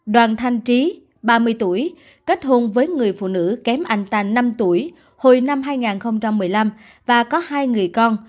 đoàn thanh trí ba mươi tuổi kết hôn với người phụ nữ kém anh ta năm tuổi hồi năm hai nghìn một mươi năm và có hai người con